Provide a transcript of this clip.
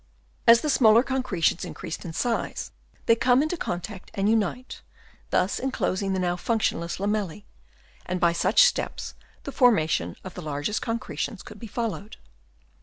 As the smaller concre tions increase in size, they come into contact and unite, thus enclosing the now functionless lamellse ; and by such steps the formation of the largest concretions could be followed.